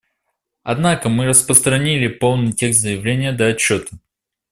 Однако мы распространили полный текст заявления для отчета.